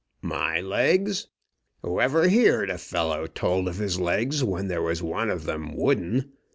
"My legs! Whoever heared a fellow told of his legs when there was one of them wooden.